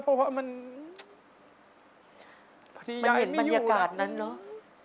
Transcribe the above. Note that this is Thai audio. เพราะว่ามันพอดียายไม่อยู่แล้วมันเห็นบรรยากาศนั้นหรือ